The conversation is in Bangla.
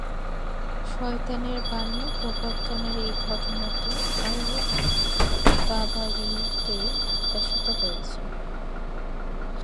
শয়তানের বাণী প্রবর্তনের এই ঘটনাটি আল-তাবারিতে প্রকাশিত হয়েছে।